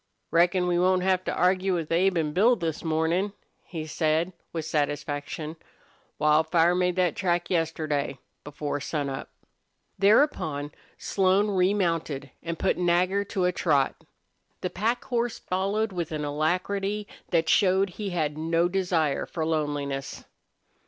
"Reckon we won't have to argue with Abe an' Bill this mornin'," he said, with satisfaction. "Wildfire made that track yesterday, before sunup." Thereupon Slone remounted and put Nagger to a trot. The pack horse followed with an alacrity that showed he had no desire for loneliness.